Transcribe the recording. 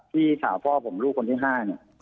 พี่สาวพ่อผมลูกคนที่๕เนี่ย